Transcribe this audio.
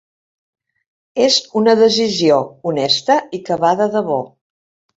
És una decisió honesta i que va de debò.